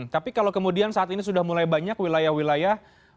tapi kalau kemudian saat ini sudah mulai banyak wilayah wilayah